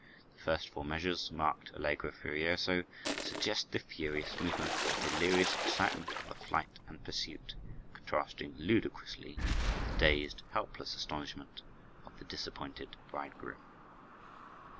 The first four measures, marked "allegro furioso," suggest the furious movement and delirious excitement of the flight and pursuit, contrasting ludicrously with the dazed, helpless astonishment of the disappointed bridegroom.